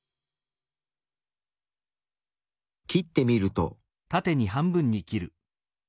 切ってみると。